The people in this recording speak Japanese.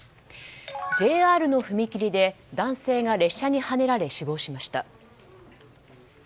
ＪＲの踏切で男性が列車にはねられ死亡しました。